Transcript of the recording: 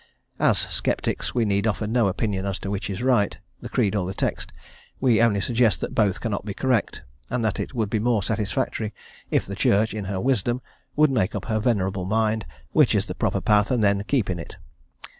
As sceptics, we need offer no opinion as to which is right, the creed or the text; we only suggest that both cannot be correct, and that it would be more satisfactory if the Church, in her wisdom, would make up her venerable mind which is the proper path, and then keep in it.